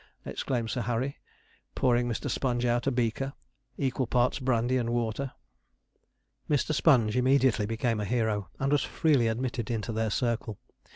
exclaimed Sir Harry, pouring Mr. Sponge out a beaker, equal parts brandy and water. Mr. Sponge immediately became a hero, and was freely admitted into their circle.